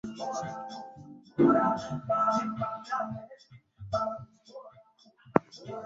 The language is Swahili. Damu iliendelea kuvuja alikanyaga Mafuta kwa kasi